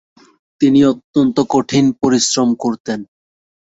তিনি অত্যন্ত কঠিন পরিশ্রম করতেন।